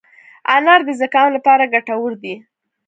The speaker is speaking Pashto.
انار د زکام لپاره ګټور دی.